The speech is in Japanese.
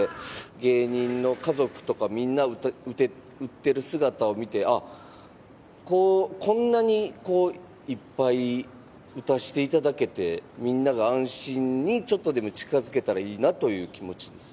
芸人の家族とかみんな打ってる姿を見て、あっ、こんなにいっぱい打たせていただけて、みんなが安心にちょっとでも近づけたらいいなという気持ちです。